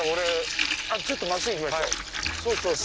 ちょっと真っすぐ行きましょう。